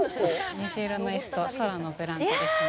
虹色の椅子と空のブランコですね。